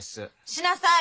しなさい！